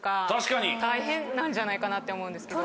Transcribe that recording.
なんじゃないかなって思うんですけど。